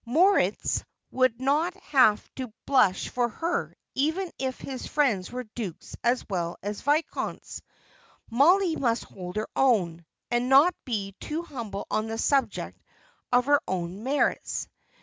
Moritz would not have to blush for her, even if his friends were dukes as well as viscounts. Mollie must hold her own, and not be too humble on the subject of her own merits.